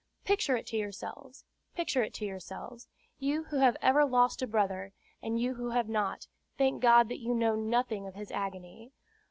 Picture it to yourselves, picture it to yourselves, you who have ever lost a brother; and you who have not, thank God that you know nothing of his agony.